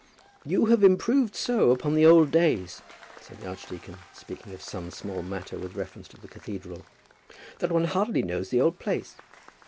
"You have improved so upon the old days," said the archdeacon, speaking of some small matter with reference to the cathedral, "that one hardly knows the old place."